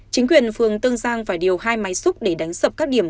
chính quyền phường tương giang phải điều hai máy xúc để đánh sập các điểm